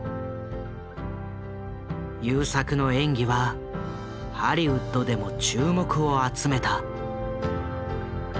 優作の演技はハリウッドでも注目を集めた。